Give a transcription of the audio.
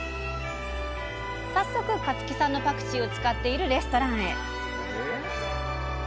早速香月さんのパクチーを使っているレストランへ！